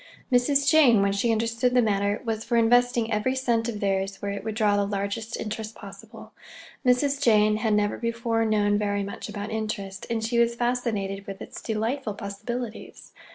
Mrs. Jane, when she understood the matter, was for investing every cent of theirs where it would draw the largest interest possible. Mrs. Jane had never before known very much about interest, and she was fascinated with its delightful possibilities.